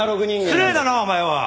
失礼だなお前は！